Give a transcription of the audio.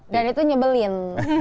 dan itu nyebelin